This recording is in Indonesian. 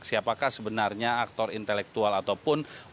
siapakah sebenarnya aktor intelektual ataupun